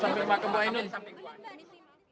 sampai makan bapak bibi di samping bu ani